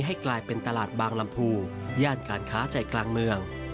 ให้กลายเป็นตลาดบางลำพูย่านการค้าใจกลางเมือง